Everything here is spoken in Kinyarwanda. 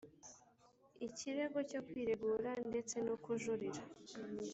Ikirego cyo kwiregura ndetse no kujurira